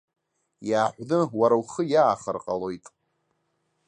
Иааҳәны уара ухы иаахар ҟалоит.